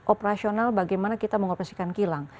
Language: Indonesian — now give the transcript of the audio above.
operasional bagaimana kita mengoperasikan kilang